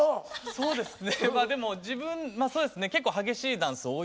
そうですね。